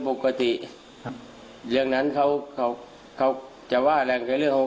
ปกติครับเรื่องนั้นเขาเขาเขาจะว่าอะไรก็เรื่องของ